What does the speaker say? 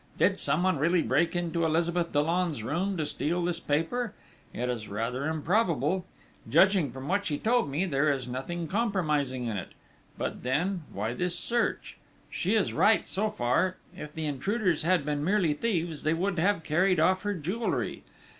"Did someone really break into Elizabeth Dollon's room to steal this paper? It is rather improbable. Judging from what she told me, there is nothing compromising in it. But then, why this search?... She is right so far: if the intruders had been merely thieves, they would have carried off her jewellery!...